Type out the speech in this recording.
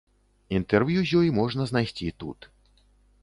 Інтэрв'ю з ёй можна знайсці тут.